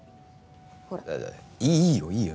ほらいいいいよいいよ